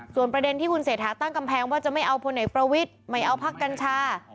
ส่วนประเด็นที่คุณเศรษฐาตั้งกำแพงว่าจะไม่เอาพลเอกประวิทย์ไม่เอาพักกัญชา